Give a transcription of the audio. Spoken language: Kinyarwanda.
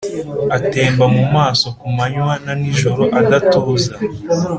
Atemba mu maso ku manywa na nijoro adatuza